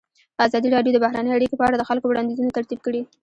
ازادي راډیو د بهرنۍ اړیکې په اړه د خلکو وړاندیزونه ترتیب کړي.